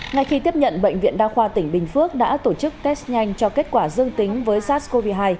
ngay khi tiếp nhận bệnh viện đa khoa tỉnh bình phước đã tổ chức test nhanh cho kết quả dương tính với sars cov hai